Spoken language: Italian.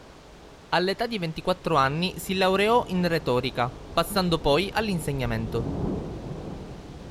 All'età di ventiquattro anni si laureò in retorica, passando poi all'insegnamento.